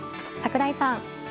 櫻井さん。